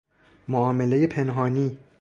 معاملهٔ پنهانی